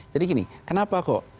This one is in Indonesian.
jadi gini kenapa kok trotoar itu dibangun